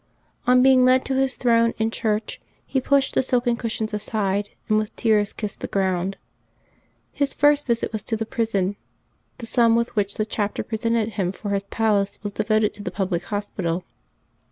On being led to his throne in church, he pushed the silken cushions aside, and with tears kissed the ground. His first visit was to the prison; the sum with which the chapter presented him for his palace was devoted to the public hospital.